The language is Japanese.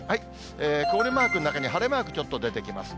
曇りマークの中に晴れマークちょっと出てきます。